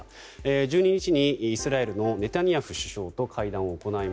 １２日にイスラエルのネタニヤフ首相と会談を行い